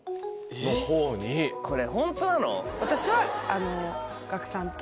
これホントなの？